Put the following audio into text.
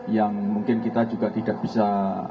yang mungkin kita juga tidak bisa